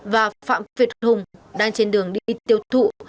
và phạm việt hùng đang trên đường đi tiêu thụ